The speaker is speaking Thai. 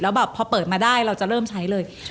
แบบพอเปิดมาได้เราจะเริ่มใช้เลย